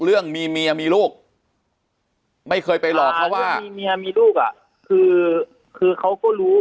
เรื่องมีเมียมีลูกไม่เคยไปหลอกเขาว่ามีเมียมีลูกอ่ะคือคือเขาก็รู้